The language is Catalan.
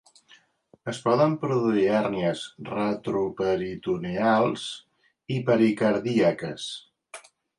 Es poden produir hèrnies retroperitoneals i pericardíaques.